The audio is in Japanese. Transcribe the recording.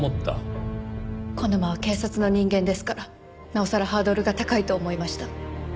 小沼は警察の人間ですからなおさらハードルが高いと思いました。